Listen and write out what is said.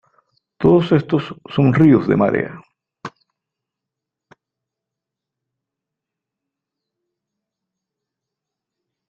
Todos estos son ríos de marea.